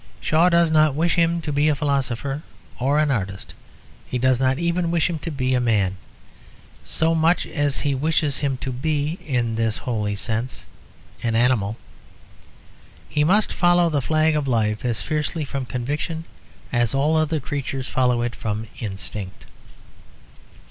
Shaw does not wish him to be a philosopher or an artist; he does not even wish him to be a man, so much as he wishes him to be, in this holy sense, an animal. He must follow the flag of life as fiercely from conviction as all other creatures follow it from instinct.